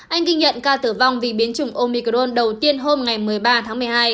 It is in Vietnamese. anh ghi nhận ca tử vong vì biến chủng omicron đầu tiên hôm một mươi ba tháng một mươi hai